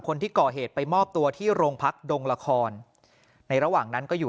คนที่ก่อเหตุไปมอบตัวที่โรงพักดงละครในระหว่างนั้นก็อยู่